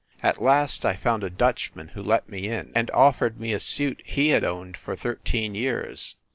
At last I found a Dutchman who let me in, and offered me a suit he had owned for thirteen years.